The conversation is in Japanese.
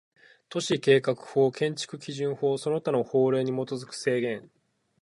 都市計画法、建築基準法その他の法令に基づく制限